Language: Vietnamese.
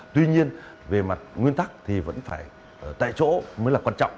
tuy nhiên về mặt nguyên tắc thì vẫn phải tại chỗ mới là quan trọng